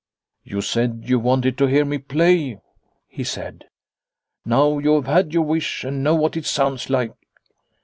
" You said you wanted to hear me play," he said. " Now you have had your wish, and know what it sounds like."